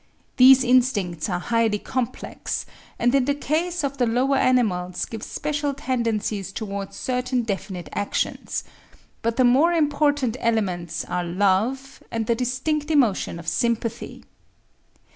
These instincts are highly complex, and in the case of the lower animals give special tendencies towards certain definite actions; but the more important elements are love, and the distinct emotion of sympathy.